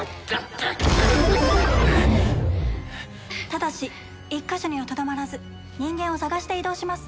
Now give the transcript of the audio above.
ただし１カ所にはとどまらず人間を探して移動します。